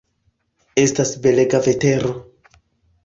Estas belega vetero.